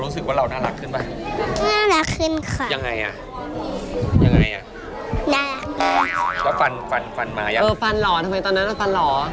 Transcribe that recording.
ใส่ฟันเปิ้ล